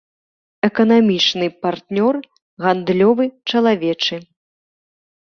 Эканамічны партнёр, гандлёвы, чалавечы.